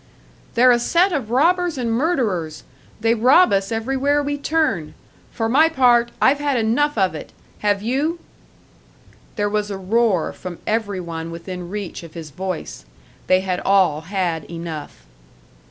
"They're a set of robbers and murderers! They rob us everywhere we turn! For my part, I've had enough of it! Have you?" There was a roar from every one within reach of his voice. They had all had enough.